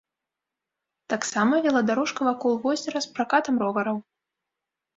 Таксама веладарожка вакол возера з пракатам ровараў.